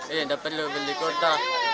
iya tidak perlu beli kuota